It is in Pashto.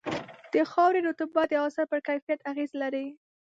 د خاورې رطوبت د حاصل پر کیفیت اغېز لري.